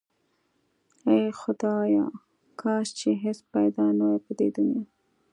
هی خدایا کاش چې هیڅ پیدا نه واي په دی دنیا